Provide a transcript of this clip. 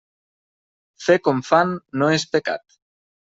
Fer com fan no és pecat.